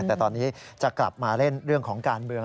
แต่ตอนนี้จะกลับมาเล่นเรื่องของการเมือง